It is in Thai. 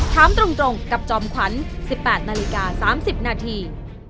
ถามตรงกับจอมขวัญ๑๘นาฬิกา๓๐นาที